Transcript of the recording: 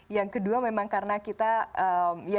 yang kedua memang karena kita ya